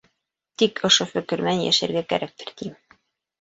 Тик ошо фекер менән йәшәргә кәрәктер тием.